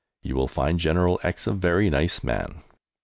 You will find General X a very nice man."